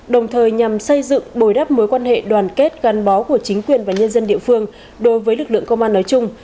đồng thời nhằm xây dựng bồi đắp mối quan hệ đoàn kết gắn bó của chính quyền và nhân dân địa phương đối với lực lượng công an nói chung